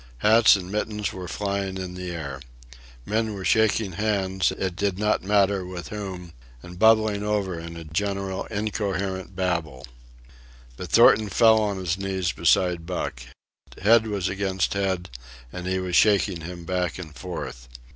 Hats and mittens were flying in the air. Men were shaking hands, it did not matter with whom, and bubbling over in a general incoherent babel. But Thornton fell on his knees beside Buck. Head was against head, and he was shaking him back and forth.